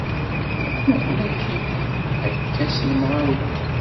Mmuqqel akkin, akka s lemɣawla.